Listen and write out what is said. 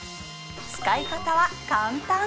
使い方は簡単！